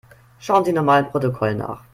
Schauen Sie nochmal im Protokoll nach.